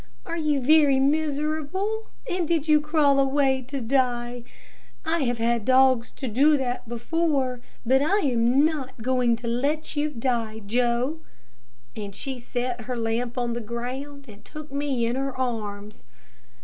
"Are you very miserable, and did you crawl away to die? I have had dogs to do that before, but I am not going to let you die, Joe." And she set her lamp on the ground, and took me in her arms.